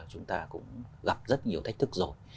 chúng ta cũng gặp rất nhiều thách thức rồi